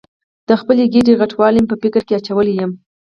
د خپلې ګېډې غټوالی مې په فکر کې اچولې یم.